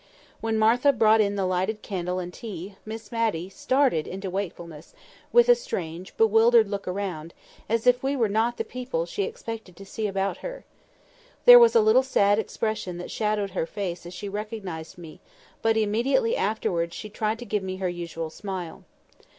When Martha brought in the lighted candle and tea, Miss Matty started into wakefulness, with a strange, bewildered look around, as if we were not the people she expected to see about her. There was a little sad expression that shadowed her face as she recognised me; but immediately afterwards she tried to give me her usual smile.